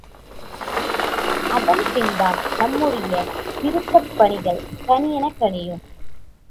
அதன் பின்தான் நம்முடைய திருத்தப் பணிகள் கனியெனக் கனியும்.